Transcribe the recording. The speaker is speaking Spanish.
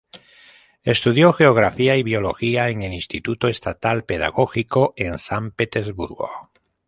Estudió geografía y biología en "El Instituto Estatal Pedagógico" en San Petersburgo.